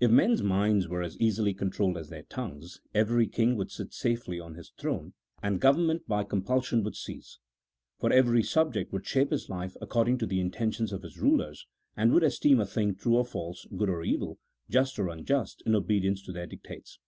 IF men's minds were as easily controlled as their tongues, every king would sit safely on his throne, and govern ment by compulsion would cease ; for every subject would shape his life according to the intentions of his rulers, and would esteem a thing true or false, good or evil, just or unjust, in obedience to their dictates.